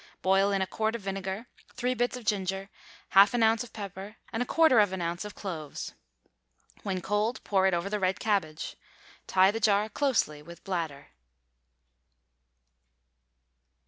Boil in a quart of vinegar, three bits of ginger, half an ounce of pepper, and a quarter of an ounce of cloves. When cold, pour it over the red cabbage. Tie the jar closely with bladder.